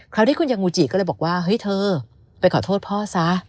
ที่คุณยังมูจิก็เลยบอกว่าเฮ้ยเธอไปขอโทษพ่อซะ